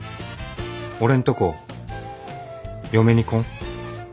俺んとこ嫁に来ん？